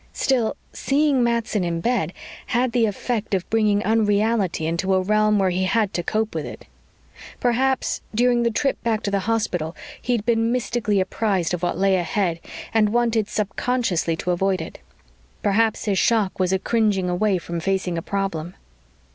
Still, seeing Matson in bed had the effect of bringing unreality into a realm where he had to cope with it. Perhaps, during the trip back to the hospital, he'd been mystically apprised of what lay ahead and wanted subconsciously to avoid it. Perhaps his shock was a cringing away from facing a problem.